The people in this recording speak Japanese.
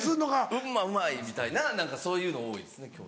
「うっまうまい」みたいなそういうの多いですね京都。